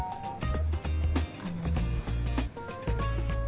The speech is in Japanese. あの。